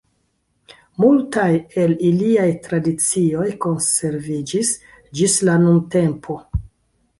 Multaj el iliaj tradicioj konserviĝis ĝis la nuntempo.